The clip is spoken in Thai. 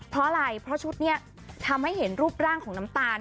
เพราะอะไรเพราะชุดนี้ทำให้เห็นรูปร่างของน้ำตาล